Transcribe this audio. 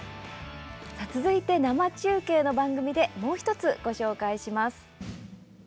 続いて、生中継の番組でもう１つご紹介します。